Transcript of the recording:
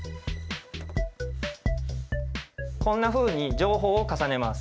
こんなふうに情報を重ねます。